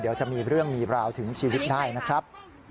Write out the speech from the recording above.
เดี๋ยวจะมีเรื่องมีราวถึงชีวิตได้นะครับ